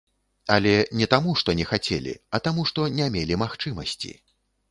Але не таму, што не хацелі, а таму што не мелі магчымасці.